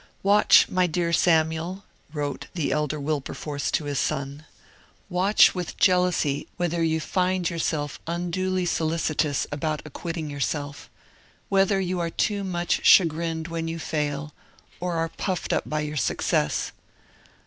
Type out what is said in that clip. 'Watch, my dear Samuel,' wrote the elder Wilberforce to his son, 'watch with jealousy whether you find yourself unduly solicitous about acquitting yourself; whether you are too much chagrined when you fail, or are puffed up by your success.